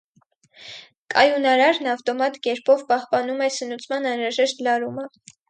Կայունարարն ավտոմատ կերպով պահպանում է սնուցման անհրաժեշտ լարումը։